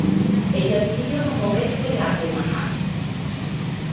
Ella decidió no moverse de Atemajac.